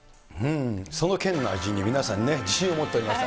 その県の味に皆さんね、自信を持っておりました。